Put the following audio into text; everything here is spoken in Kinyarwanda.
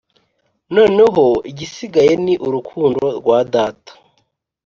noneho igisigaye ni urukundo rwa data